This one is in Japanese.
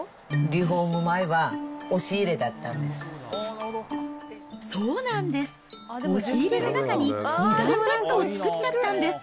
リフォーム前は押し入れだったんです。